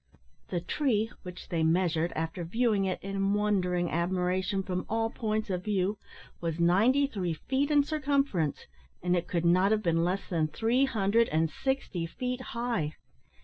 The tree, which they measured, after viewing it in wondering admiration from all points of view, was ninety three feet in circumference, and it could not have been less than three hundred and sixty feet high.